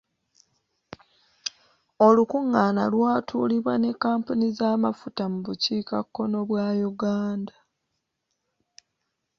Olukungana lwatuulibwa ne kampuni z'amafuta mu bukiika kkono bwa Uganda.